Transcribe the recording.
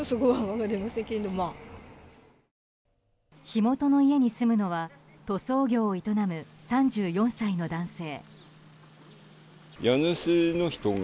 火元の家に住むのは塗装業を営む、３４歳の男性。